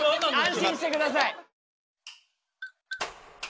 安心してください。